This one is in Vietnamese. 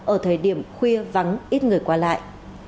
ở thời điểm khuya vắng ít người qua lại